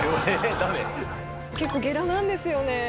結構ゲラなんですよね。